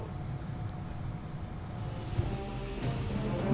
một trong những bài học quý báu